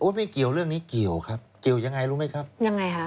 ไม่เกี่ยวเรื่องนี้เกี่ยวครับเกี่ยวยังไงรู้ไหมครับยังไงคะ